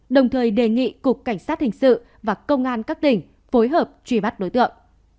đồng thời đề nghị cục cảnh sát hình sự và công an các tỉnh phối hợp truy bắt đối tượng